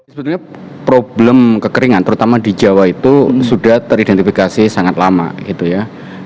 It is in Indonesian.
sebetulnya problem kekeringan terutama di jawa itu sudah teridentifikasi sangat lama gitu ya